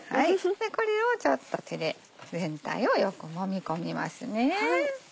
これを手で全体をよくもみ込みます。